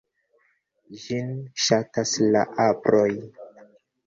Ĝin ŝatas la aproj.